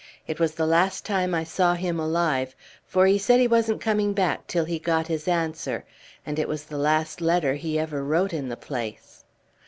It was the last time I saw him alive, for he said he wasn't coming back till he got his answer, and it was the last letter he ever wrote in the place."